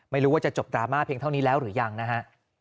ไม่รู้ว่าจะจบดราม่าเพียงเท่านี้แล้วหรือยังนะฮะ